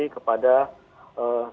kepada bapak gubernur lukas nmb